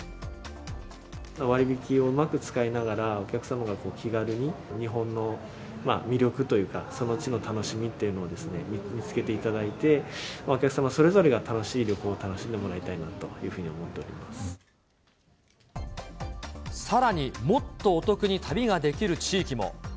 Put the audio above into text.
割引をうまく使いながら、お客様が気軽に日本の魅力というか、その地の楽しみというのを見つけていただいて、お客様それぞれが楽しい旅行を楽しんでもらいたいなというふうにさらに、もっとお得に旅ができる地域も。